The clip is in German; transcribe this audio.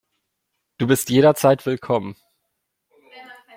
Du bist jederzeit willkommen.